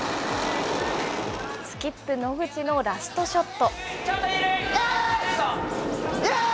スキップ、野口のラストショット。